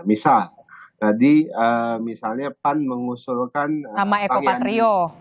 misal tadi misalnya pan mengusulkan pak yandri